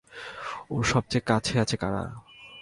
ওর সবচেয়ে কাছে আছে কারা?